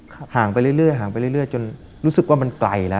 ครับห่างไปเรื่อยเรื่อยห่างไปเรื่อยเรื่อยจนรู้สึกว่ามันไกลแล้ว